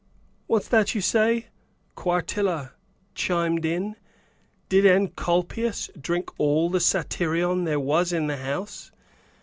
"What's that you say?", Quartilla chimed in. "Did Encolpius drink all the satyrion there was in the house?"